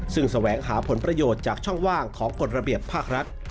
ซึ่งแสวงหาผลประโยชน์จากช่องว่างของกฎระเบียบภาครัฐ